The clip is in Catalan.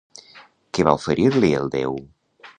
Què va oferir-li el déu?